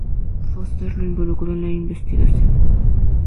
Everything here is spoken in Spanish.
Foster lo involucró en la investigación.